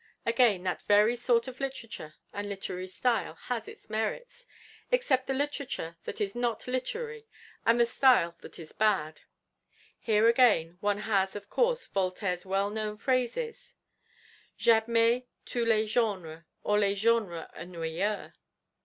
Again, that every sort of literature and literary style has its merits, except the literature that is not literary and the style that is bad: here again, one has, of course, Voltaire's well known phrases: J'admets tous les genres, hors le genre ennuyeux.'